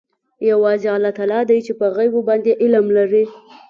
یوازې الله تعلی دی چې په غیبو باندې علم لري.